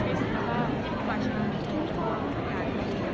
ที่สำหรับสุขภาพที่มีประชาชน์